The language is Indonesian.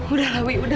udah lah wi